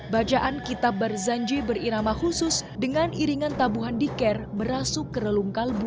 bajaan kitab berzanji berirama khusus dengan iringan tabuhan diker berasuk ke relung kalbu